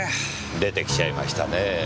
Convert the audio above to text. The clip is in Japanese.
出てきちゃいましたねぇ。